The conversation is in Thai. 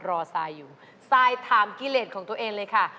ทรายอยู่ทรายถามกิเลสของตัวเองเลยค่ะ